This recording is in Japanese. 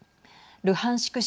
ルハンシク